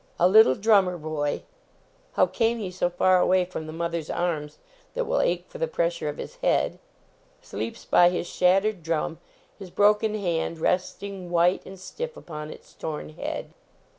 A little drummer boy how came he so far away from the mother s arm* that will ache for the pn lire of hi> he, id? sleeps by his shattered drum, his broken hand resting white and stiff upon its torn head.